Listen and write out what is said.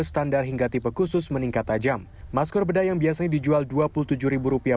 standar hingga tipe khusus meningkat tajam masker bedah yang biasanya dijual dua puluh tujuh rupiah